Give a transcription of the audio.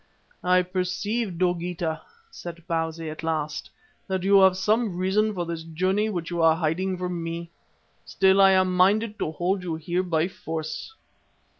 "I perceive, Dogeetah," said Bausi at last, "that you have some reason for this journey which you are hiding from me. Still, I am minded to hold you here by force."